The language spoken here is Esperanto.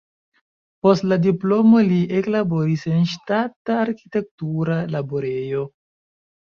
Post la diplomo li eklaboris en ŝtata arkitektura laborejo.